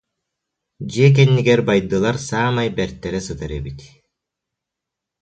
Дьиэ кэннигэр байдылар саамай бэртэрэ сытар эбит